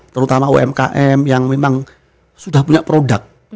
terutama umkm yang memang sudah punya produk